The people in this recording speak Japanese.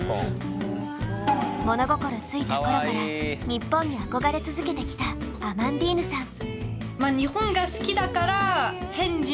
物心付いた頃から日本に憧れ続けてきたアマンディーヌさん。